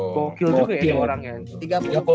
bokil juga ya orangnya